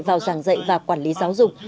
vào giảng dạy và quản lý giáo dục